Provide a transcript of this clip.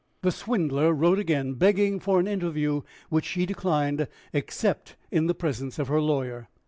The swindler wrote again, begging for an interview which she declined, except in the presence of her lawyer.